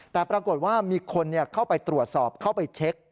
แต่ปรากฏว่ามีคนเข้าไปตรวจสอบเข้าไปเช็ค